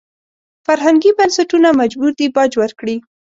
فرهنګي بنسټونه مجبور دي باج ورکړي.